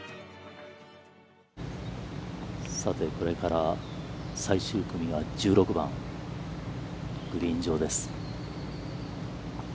さてこれから最終組が１６番、グリーン上です。